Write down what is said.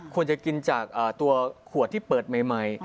ควรจะกินจากตัวขวดที่เปิดใหม่